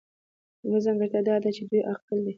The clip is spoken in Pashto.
لومړۍ ځانګړتیا دا ده چې دوی عاقل دي.